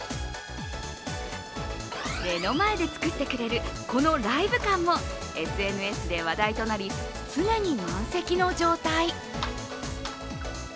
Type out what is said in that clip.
目の前で作ってくれるこのライブ感もＳＮＳで話題となり常に満席の状態。